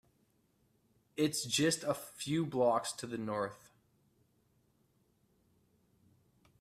It’s just a few blocks to the North.